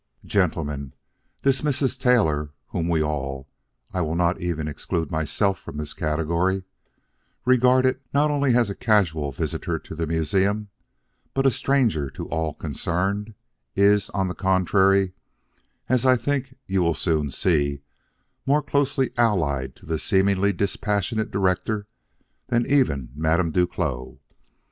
Gentlemen, this Mrs. Taylor whom we all I will not even exclude myself from this category regarded not only as a casual visitor to the museum, but a stranger to all concerned, is, on the contrary, as I think you will soon see, more closely allied to the seemingly dispassionate director than even Madame Duclos.